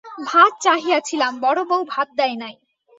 ভাত চাহিয়াছিলাম বড়োবউ ভাত দেয় নাই।